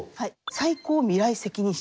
最高未来責任者？